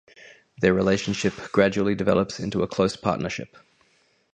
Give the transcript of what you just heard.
Their relationship gradually develops into a close partnership.